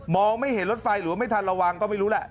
ไม่เห็นรถไฟหรือว่าไม่ทันระวังก็ไม่รู้แหละ